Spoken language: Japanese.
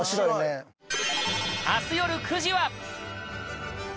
明日よる９時は！